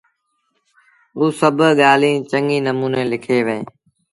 اوٚ سڀ ڳآليٚنٚ چڱي نموٚني لکيݩ وهينٚ